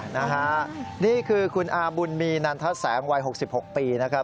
นี่คือคุณอาบุญมีนันทะแสงวัย๖๖ปีนะครับ